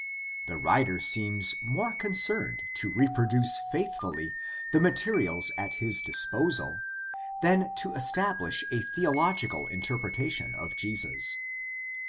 The writer seems more concerned to reproduce faith fully the materials at his disposal than to estabHsh a theo logical interpretation of Jesus.